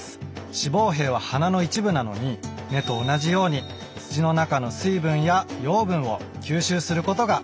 子房柄は花の一部なのに根と同じように土の中の水分や養分を吸収することができるんだそうです。